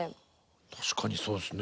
確かにそうですね